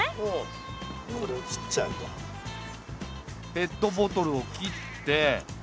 ペットボトルを切って。